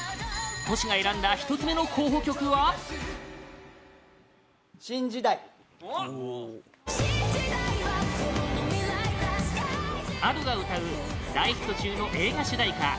Ｔｏｓｈｌが選んだ１つ目の候補曲はＡｄｏが歌う大ヒット中の映画主題歌